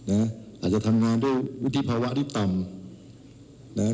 อาจจะทำงานด้วยวุฒิภาวะที่ต่ำนะฮะ